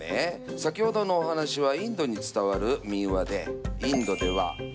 先ほどのお話はインドに伝わる民話でインドではああ。